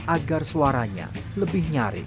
agar suaranya lebih nyarik